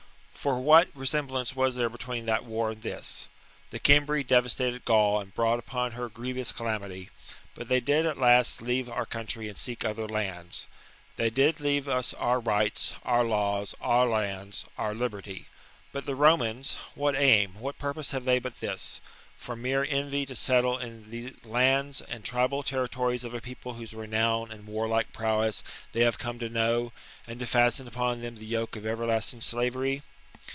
For what resemblance was there between that war and this? The Cimbri devastated Gaul and brought upon her grievous calamity ; but they did at last leave our country and seek other lands ; they did leave us our rights, our laws, our lands, our liberty. But the Romans, what aim, what purpose have they but this, — from mere envy to settle in the lands and tribal territories of a people whose renown and warlike prowess they have come to know, and to fasten upon them the yoke of ever lasting slavery ?